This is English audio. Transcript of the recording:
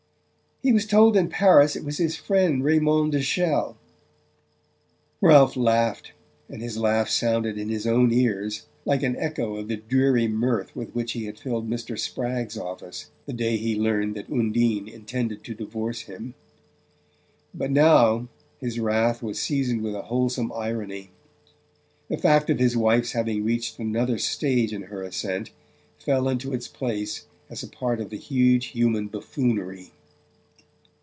"He was told in Paris it was his friend Raymond de Chelles." Ralph laughed, and his laugh sounded in his own ears like an echo of the dreary mirth with which he had filled Mr. Spragg's office the day he had learned that Undine intended to divorce him. But now his wrath was seasoned with a wholesome irony. The fact of his wife's having reached another stage in her ascent fell into its place as a part of the huge human buffoonery.